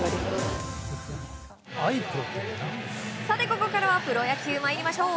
ここからはプロ野球まいりましょう。